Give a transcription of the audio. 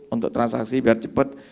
untuk transaksi biar cepat